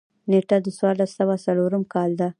نېټه د څوارلس سوه څلورم کال ده.